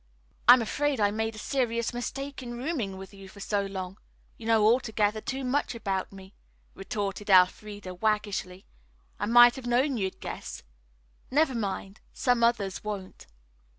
"I'm afraid I made a serious mistake in rooming with you so long. You know altogether too much about me," retorted Elfreda waggishly. "I might have known you'd guess. Never mind. Some others won't."